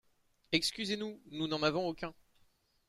Excusez-nous, nous n’en avons aucun.